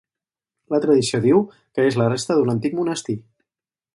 La tradició diu que és la resta d'un antic monestir.